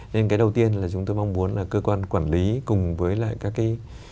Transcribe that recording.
nên cái đầu tiên là chúng tôi mong muốn là cơ quan quản lý cùng với lại các cái